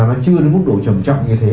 nó chưa đến mức độ trầm trọng như thế